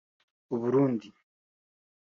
Uburundi